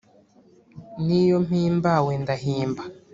N'iyo mpimbawe ndahimba